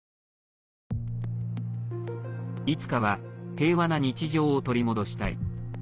いつかは平和な日常を取り戻したい。